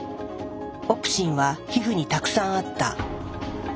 オプシンは皮膚にたくさんあった。